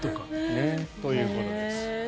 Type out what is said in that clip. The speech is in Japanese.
ということです。